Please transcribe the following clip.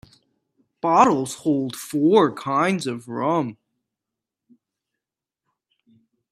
Bottles hold four kinds of rum.